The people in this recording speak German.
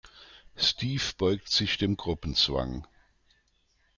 Steve beugt sich dem Gruppenzwang.